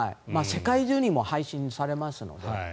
世界中に配信されますので。